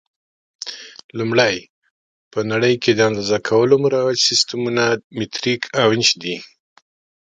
لومړی: په نړۍ کې د اندازه کولو مروج سیسټمونه مټریک او انچ دي.